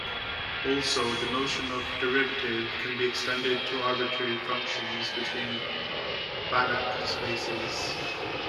Also, the notion of derivative can be extended to arbitrary functions between Banach spaces.